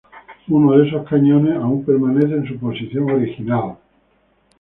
Uno de esos cañones aún permanece en su posición original.